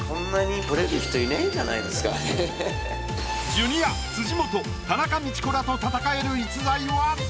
ジュニア辻元田中道子らと戦える。